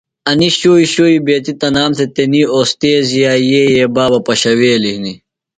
انیۡ شُوۡئی شُوۡئی بیتیۡ تنام تھےۡ تنیۡ اوستیذِئے یئیے بابہ پشَویلیۡ ہِنیۡ۔